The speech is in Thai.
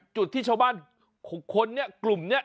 จุดที่ชาวบ้าน๖คนเนี่ยกลุ่มเนี่ย